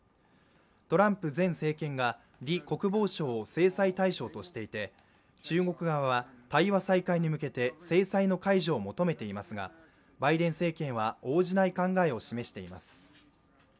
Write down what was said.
トランプ前政権が李国防相を制裁対象としていて、中国側は対話再開に向けて制裁の解除を求めていますがバイデン政権は応じない考えを示しています。